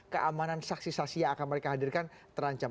keamanan saksi saksi yang akan mereka hadirkan terancam